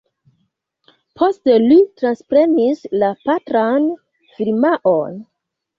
Poste li transprenis la patran firmaon.